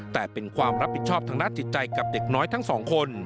แต่เป็นความรับผิดชอบทางด้านจิตใจกับเด็กน้อยทั้งสองคน